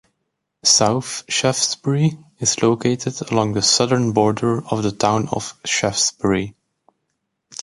South Shaftsbury is located along the southern border of the town of Shaftsbury.